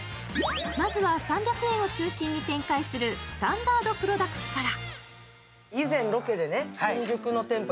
まずは、３００円を中心に展開するＳｔａｎｄａｒｄＰｒｏｄｕｃｔｓから。